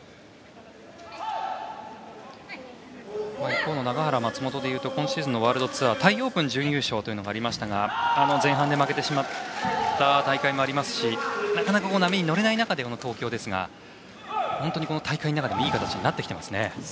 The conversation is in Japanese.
一方の永原、松本でいうと今シーズンのワールドツアーはタイオープンで準優勝がありましたが前半で負けてしまった大会もありますしなかなか波に乗れない中での東京ではありますが本当に、この大会の中でもいい形になってきていますね。